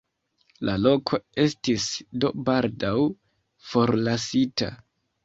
La loko estis do baldaŭ forlasita.